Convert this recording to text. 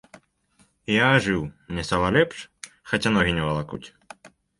І я ажыў, мне стала лепш, хаця ногі не валакуць.